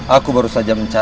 aku harus menjaganya